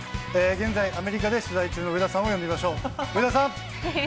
現在、アメリカで取材中の上田さんを呼んでみましょう。